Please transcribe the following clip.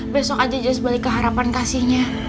besok aja balik ke harapan kasihnya